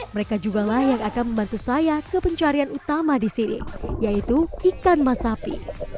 mereka juga lah yang akan membantu saya ke pencarian utama di sini yaitu ikan masapi